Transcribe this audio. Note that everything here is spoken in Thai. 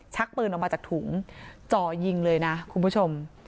ชักปืนออกมาจากถุงจ่อยิงเลยนะคุณผู้ชม